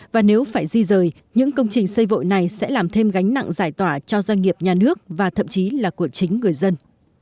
và nếu phải di rời những công trình xây vội này sẽ làm thêm gánh nặng giải tỏa cho doanh nghiệp nhà nước và thậm chí là của chính người dân